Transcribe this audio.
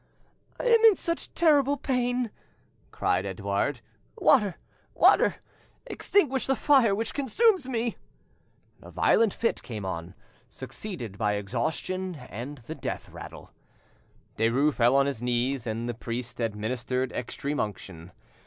"I am in such terrible pain!" cried Edouard. "Water! water! Extinguish the fire which consumes me!" A violent fit came on, succeeded by exhaustion and the death rattle. Derues fell on his knees, and the priest administered extreme unction.